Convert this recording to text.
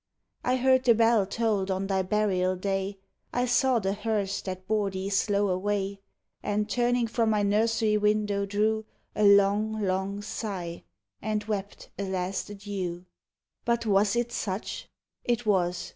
I heard the bell foiled on thy burial day; I saw the hearse that bore thee slow away; And, turning from my nursery window, drew A long, long sigh, and wept a last adieu! I kit was it such? It was.